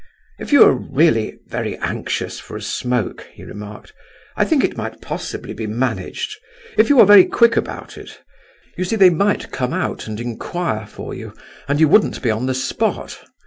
"If you are really very anxious for a smoke," he remarked, "I think it might possibly be managed, if you are very quick about it. You see they might come out and inquire for you, and you wouldn't be on the spot.